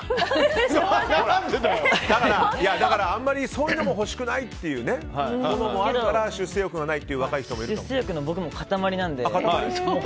そういうのも欲しくないっていうのもあるから出世欲がないという若い人もいるという。